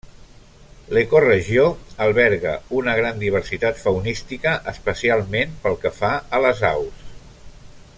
L'ecoregió alberga una gran diversitat faunística, especialment pel que fa a les aus.